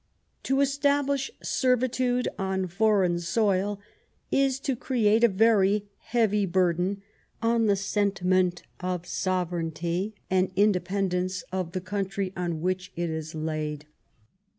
To establish servitude on foreign soil is to create a very heavy burden on the sentiment of sovereignty and independence of the country on which it is laid.